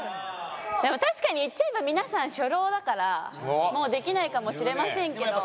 確かに言っちゃえば皆さん初老だからもうできないかもしれませんけど。